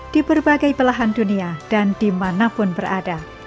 di berbagai belahan dunia dan dimanapun berada